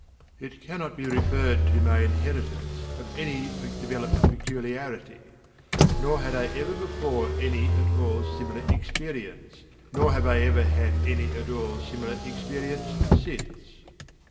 It cannot be referred to my inheritance of any developed peculiarity, nor had I ever before any at all similar experience, nor have I ever had any at all similar experience since.